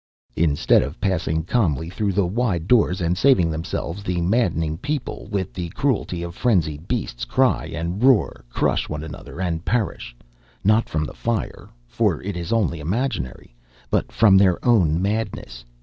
Instead of passing calmly through the wide doors and saving themselves, the maddened people, with the cruelty of frenzied beasts, cry and roar, crush one another and perish not from the fire (for it is only imaginary), but from their own madness.